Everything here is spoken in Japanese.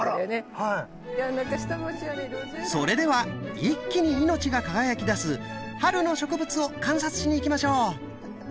それでは一気に命が輝きだす春の植物を観察しに行きましょう！